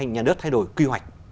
nhà nước thay đổi quy hoạch